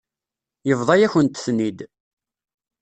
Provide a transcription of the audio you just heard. Yebḍa-yakent-ten-id.